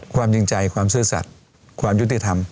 ความจริงใจความซื่อสัตว์ความยุติธรรม